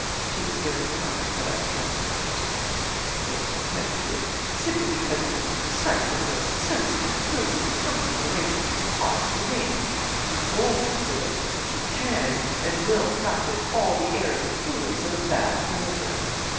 'She was very kind, but I can't do it.' 'Yes, you can't do it, simply because it would be precisely the most sensible, prudent, and comfortable arrangement you could possibly make; you won't do it but you can and will practise all the airs and fooleries of a bad melodrama.